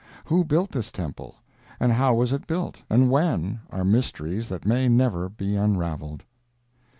Who built this temple, and how was it built, and when, are mysteries that may never be unraveled.